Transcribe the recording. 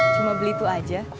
cuma beli itu aja